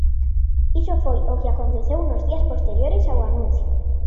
Iso foi o que aconteceu nos días posteriores ao anuncio.